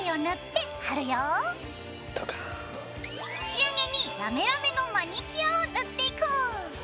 仕上げにラメラメのマニキュアを塗っていこう！